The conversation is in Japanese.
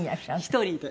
１人で。